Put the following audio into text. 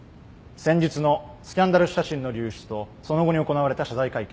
先日のスキャンダル写真の流出とその後に行われた謝罪会見